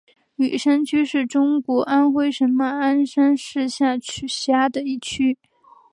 雨山区是中国安徽省马鞍山市下辖的区。